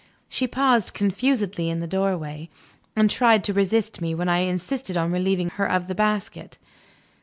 She paused confusedly in the doorway, and tried to resist me when I insisted on relieving her of the basket.